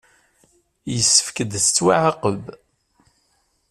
Yessefk ad tettwaɛaqeb.